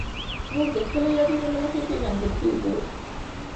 موږ د خپلو یادونو له مخې پېژندل کېږو.